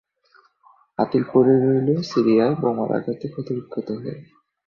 আদিল পড়ে রইল সিরিয়ায়, বোমার আঘাতে ক্ষতবিক্ষত হয়ে।